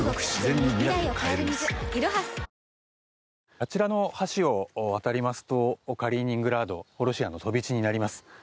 あちらの橋を渡りますとカリーニングラードロシアの飛び地になります。